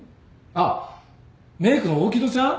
あっメークの大木戸ちゃん？